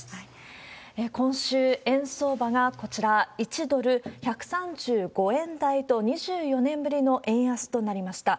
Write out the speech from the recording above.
今週、円相場がこちら、１ドル１３５円台と、２４年ぶりの円安となりました。